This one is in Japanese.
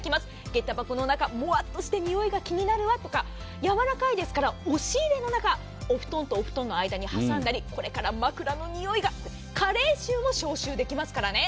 下駄箱の中、もわっとしてにおいが気になるわとかやわらかいですから押し入れの中お布団とお布団の間に挟んだりこれから枕のにおいが加齢臭も消臭できますからね。